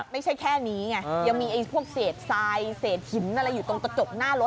ไม่ใช่แค่นี้ไงยังมีพวกเศษทรายเศษหินอะไรอยู่ตรงกระจกหน้ารถ